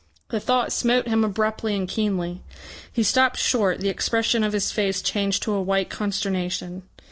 The thought smote him abruptly and keenly; he stopped short, the expression of his face changed to a white consternation.